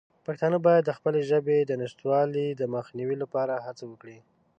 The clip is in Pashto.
پښتانه باید د خپلې ژبې د نشتوالي د مخنیوي لپاره هڅه وکړي.